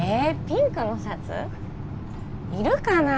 ピンクのシャツ？いるかな？